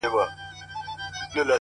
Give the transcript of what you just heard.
هره لاسته راوړنه له حوصلې پیاوړې کېږي